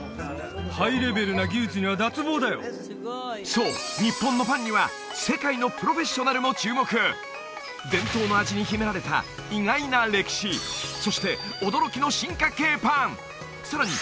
そう日本のパンには世界のプロフェッショナルも注目伝統の味に秘められた意外な歴史そして驚きの進化系パンさらに